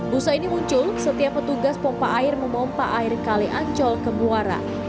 busa ini muncul setiap petugas pompa air memompa air kali ancol ke muara